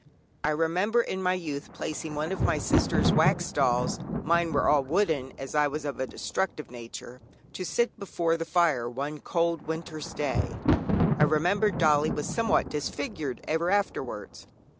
I remember in my youth placing one of my sister's wax dolls (mine were all wooden, as I was of a destructive nature) to sit before the fire one cold winter's day; I remember dollie was somewhat disfigured ever afterwards.